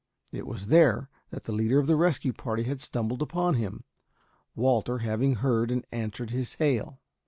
It was there that the leader of the rescue party had stumbled upon him, Walter having heard and answered his hail.